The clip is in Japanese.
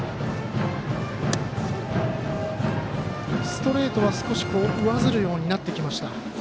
ストレートは、少し上ずるようになってきました。